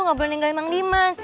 gak boleh ninggalin bang liman